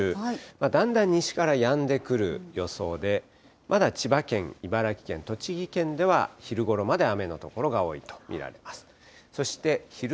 だんだん西からやんでくる予想で、まだ千葉県、茨城県、栃木県では、昼ごろまで雨の所が多いと見られます。